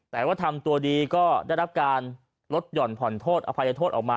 แต่ว่าทำตัวดีก็ได้รับการลดหย่อนผ่อนโทษอภัยโทษออกมา